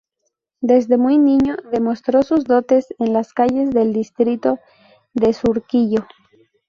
Desde muy niño demostró sus dotes en las calles del distrito de Surquillo.